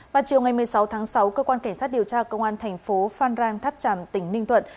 vào chiều ngày một mươi sáu tháng sáu cơ quan cảnh sát điều tra công an thành phố phan rang tháp tràm tỉnh ninh thuận